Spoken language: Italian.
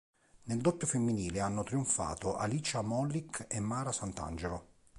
Nel doppio femminile hanno trionfato Alicia Molik e Mara Santangelo.